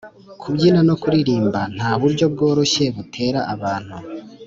kubyina no kuririmba nta buryo bworoshye butera abantu